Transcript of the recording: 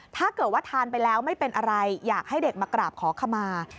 ถ้าเกิดว่าทานไปแล้วไม่เป็นอะไรอยากให้เด็กมากราบขอขมา